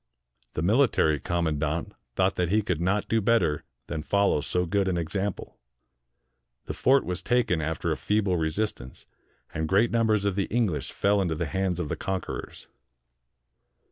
The military com mandant thought that he could not do better than follow so good an example. The fort was taken after a feeble resistance; and great numbers of the English fell into the hands of the conquerors.